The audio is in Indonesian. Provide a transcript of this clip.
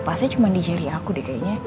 pasnya cuman di jari aku deh kayaknya